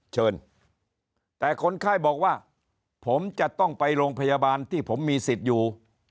เชิญแต่คนไข้บอกว่าผมจะต้องไปโรงพยาบาลที่ผมมีสิทธิ์อยู่